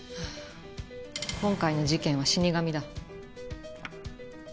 今回の事件は『死神』だ。